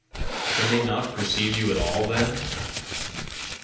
"Can they not perceive you at all then?"